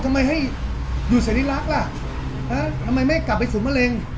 คือ